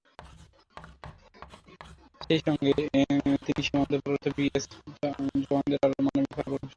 সেই সঙ্গে তিনি সীমান্তে প্রহরারত বিএসএফ জওয়ানদেরও আরও মানবিক হওয়ার পরামর্শ দেন।